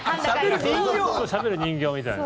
しゃべる人形みたいな。